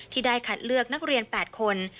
ที่ได้คัดเลือกนักเรียน๘คน